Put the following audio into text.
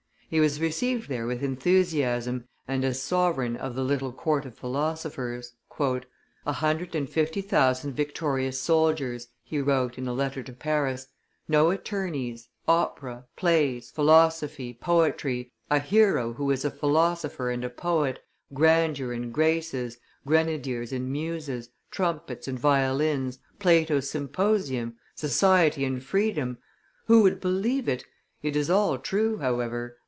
He was received there with enthusiasm and as sovereign of the little court of philosophers. "A hundred and fifty thousand victorious soldiers," he wrote in a letter to Paris, "no attorneys, opera, plays, philosophy, poetry, a hero who is a philosopher and a poet, grandeur and graces, grenadiers and muses, trumpets and violins, Plato's symposium, society and freedom! Who would believe it? It is all true, however!"